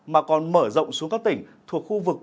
mà còn mở rộng xuống các tỉnh thuộc khu vực